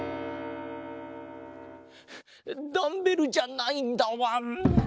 ダンベルじゃないんだわん。